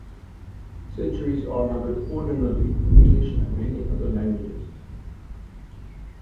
Centuries are numbered ordinally in English and many other languages.